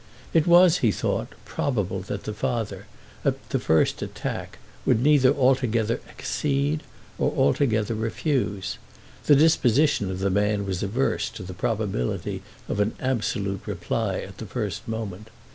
It was, he thought, probable that the father, at the first attack, would neither altogether accede, or altogether refuse. The disposition of the man was averse to the probability of an absolute reply at the first moment.